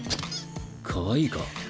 かわいいか？